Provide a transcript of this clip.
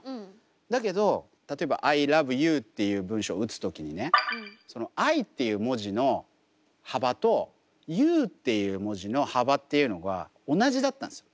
だけど例えば「Ｉｌｏｖｅｙｏｕ」っていう文章打つ時にねその「Ｉ」っていう文字の幅と「ｙｏｕ」っていう文字の幅っていうのが同じだったんですよ。